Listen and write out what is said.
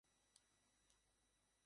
দ্রুত-ই পরে ফেলবো।